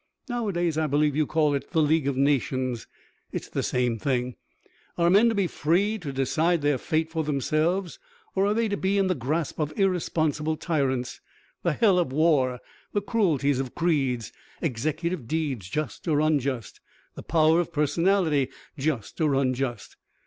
Nowadays I believe you call it the League of Nations. It's the same thing. Are men to be free to decide their fate for themselves or are they to be in the grasp of irresponsible tyrants, the hell of war, the cruelties of creeds, executive deeds just or unjust, the power of personality just or unjust?